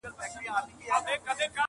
د دروازې په ځینځیر ځان مشغولوینه!